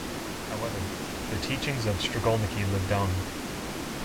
However, the teachings of the Strigolniki lived on.